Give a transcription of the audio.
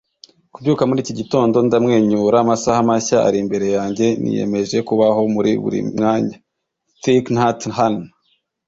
kubyuka muri iki gitondo, ndamwenyura. amasaha mashya ari imbere yanjye. niyemeje kubaho muri buri mwanya. - thich nhat hanh